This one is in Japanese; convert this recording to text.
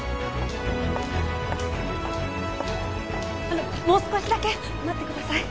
あのもう少しだけ待ってください。